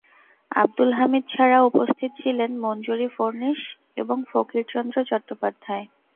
আব্দুল হামিদ ছাড়াও উপস্থিত ছিলেন মঞ্জরী ফড়ণীস এবং ফকিরচন্দ্র চট্টোপাধ্যায়।